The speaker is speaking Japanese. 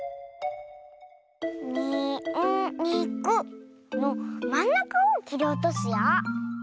「に・ん・に・く」のまんなかをきりおとすよ。